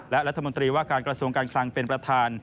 และรัฐมนตรีว่าการกระทรวงการคลังเป็นประธาน